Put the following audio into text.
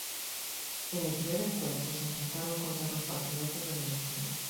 En el primer encuentro se enfrentaron contra los Patriotas de Venezuela.